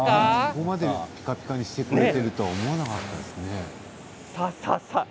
ここまでピカピカにしてくれてると思わなかったですね。